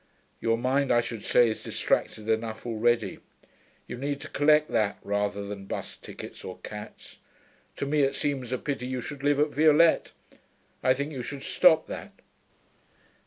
Your mind, I should say, is distracted enough already. You need to collect that, rather than bus tickets or cats.... To me it seems a pity you should live at Violette. I think you should stop that.'